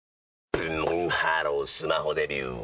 ブンブンハロースマホデビュー！